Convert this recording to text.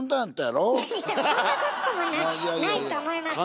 いやそんなこともないと思いますけど。